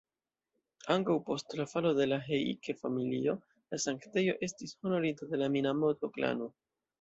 Ankaŭ post la falo de Heike-Familio, la sanktejo estis honorita de la Minamoto-klano.